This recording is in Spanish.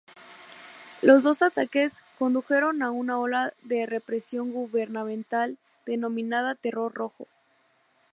Los dos ataques condujeron a una ola de represión gubernamental denominada Terror rojo.